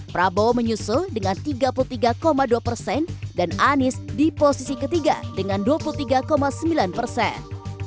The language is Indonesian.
prabowo menyusul dengan tiga puluh tiga dua persen dan anies di posisi ketiga dengan dua puluh tiga sembilan persen